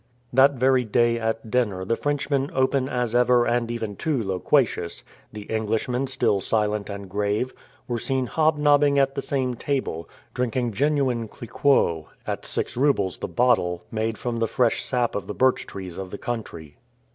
That very day at dinner the Frenchman open as ever and even too loquacious, the Englishman still silent and grave, were seen hobnobbing at the same table, drinking genuine Cliquot, at six roubles the bottle, made from the fresh sap of the birch trees of the country.